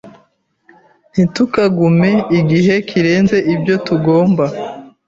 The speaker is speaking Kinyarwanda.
Ntitukagume igihe kirenze ibyo tugomba.